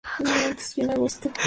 Asimismo, Cyrus lo co-dirigió.